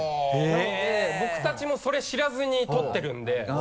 なので僕たちもそれ知らずに撮ってるんで。